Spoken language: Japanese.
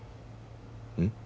うん？